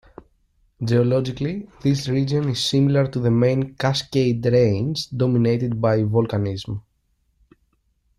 Geologically, this region is similar to the main Cascade Range, dominated by volcanism.